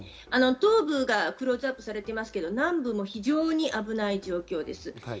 東部がクローズアップされていますが南部も非常に危ない状況です。